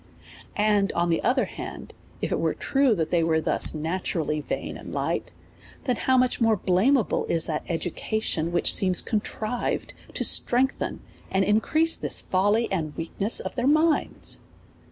And, on the other hand, if it were true that they were thus naturally vain and light, then how much more blameable is that education, which seems con trived to strengthen and increase this folly and weak ness of their minds